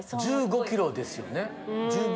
１５ｋｇですよね？